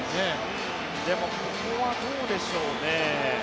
ここは、どうでしょうね。